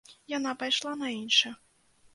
Яна пайшла на іншы.